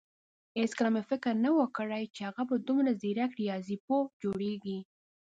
هيڅکله مې فکر نه وو کړی چې هغه به دومره ځيرک رياضيپوه جوړېږي.